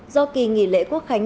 do kỳ nghỉ lễ quốc khánh